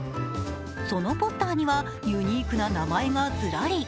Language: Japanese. そのポスターにはユニークな名前がずらり。